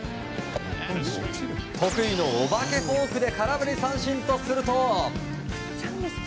得意のお化けフォークで空振り三振とすると。